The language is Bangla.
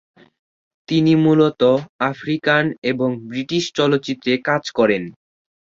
তিনি মূলত আমেরিকান এবং ব্রিটিশ চলচ্চিত্রে কাজ করেন।